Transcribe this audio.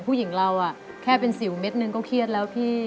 ผู้หญิงเราแค่เป็นสิวเม็ดนึงก็เครียดแล้วพี่